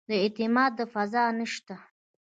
د اعتماد فضا نه شته.